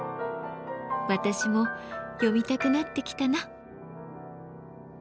私も読みたくなってきたな！